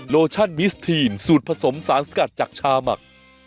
โลชั่นมิสทีนสูตรผสมสารสกัดจากชาหมัก